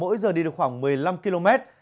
mỗi giờ đi được khoảng một mươi năm km